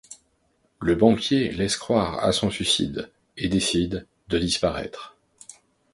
Le banquier laisse croire à son suicide et décide de disparaître.